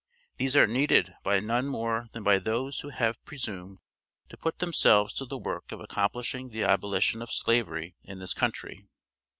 These are needed by none more than by those who have presumed to put themselves to the work of accomplishing the abolition of Slavery in this country.